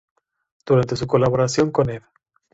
Durante su colaboración con Ed.